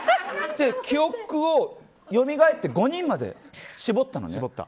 記憶を甦えらせて５人まで絞ったのね。